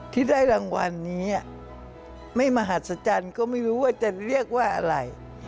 ที่ได้รางวัลนี้ไม่มหัศจรรย์ก็ไม่รู้ว่าจะเรียกว่าอะไร